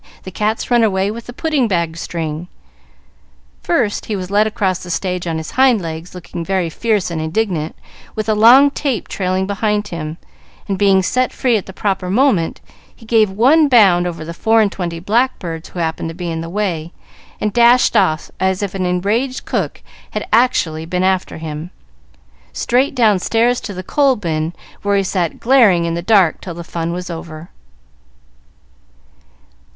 The cat's run away with the pudding bag string." First he was led across the stage on his hind legs, looking very fierce and indignant, with a long tape trailing behind him; and, being set free at the proper moment, he gave one bound over the four and twenty blackbirds who happened to be in the way, and dashed off as if an enraged cook had actually been after him, straight downstairs to the coal bin, where he sat glaring in the dark, till the fun was over.